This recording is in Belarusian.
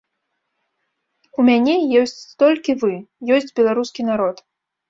У мяне ёсць толькі вы, ёсць беларускі народ.